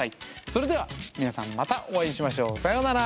それでは皆さんまたお会いしましょう。さようなら。